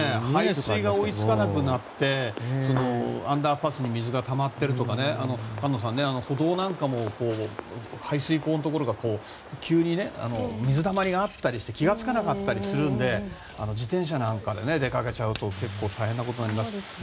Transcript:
排水が追い付かなくなってアンダーパスに水がたまるとか歩道なんかも排水溝のところが急に水たまりがあったりしても気づかなかったりするので自転車なんかで出かけると大変なことになります。